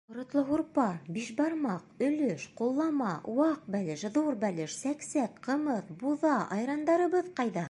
Ҡоротло һурпа, бишбармаҡ, өлөш, ҡуллама, ваҡ бәлеш, ҙур бәлеш, сәксәк, ҡымыҙ, буҙа, айрандарыбыҙ ҡайҙа?